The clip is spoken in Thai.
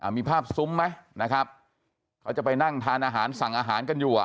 มีภาพซุ้มไหมนะครับเขาจะไปนั่งทานอาหารสั่งอาหารกันอยู่